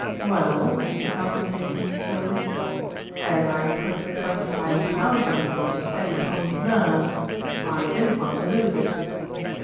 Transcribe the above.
"Well," said Malcolm Sage slowly, "as I had put twenty five pounds on you to steady Pond's nerves, I didn't want to lose it."